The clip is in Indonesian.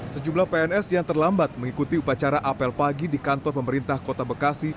sejumlah pns yang terlambat mengikuti upacara apel pagi di kantor pemerintah kota bekasi